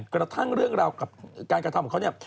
กระทั่งเรื่องราวกับการกระทำของเขาเนี่ย